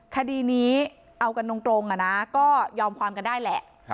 คดีนี้เอากันตรงก็ยอมความกันได้แหละ